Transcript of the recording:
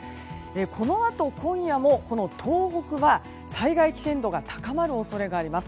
このあと今夜もこの東北は災害危険度が高まる恐れがあります。